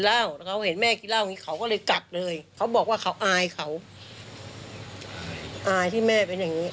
อ้ายที่แม่เป็นอย่างนี้